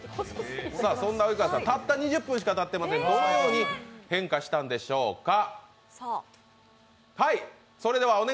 そんな及川さん、たった２０分、どのように変化したんでしょうか。